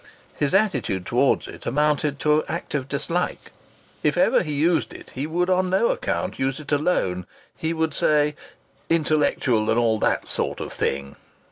His attitude towards it amounted to active dislike. If ever he used it, he would on no account use it alone; he would say, "Intellectual and all that sort of thing!"